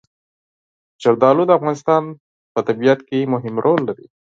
زردالو د افغانستان په طبیعت کې مهم رول لري.